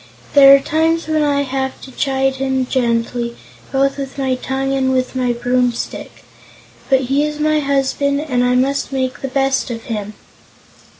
There are times when I have to chide him gently, both with my tongue and with my broomstick. But he is my husband, and I must make the best of him."